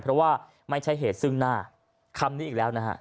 เพราะว่าไม่ใช่เหตุซึ่งหน้าคำนี้อีกแล้วนะฮะ